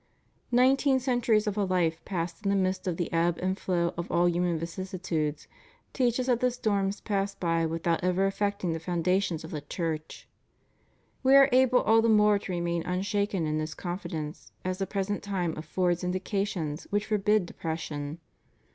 Nineteen centuries of a life passed in the midst of the ebb and flow of all human vicissitudes teach us that the storms pass by with out ever affecting the foundations of the Church. We are able all the more to remain unshaken in this confidence, as the present time affords indications which forbid de pression.